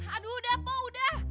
aduh udah pok udah